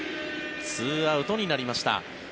２アウトになりました。